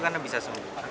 karena bisa sembuh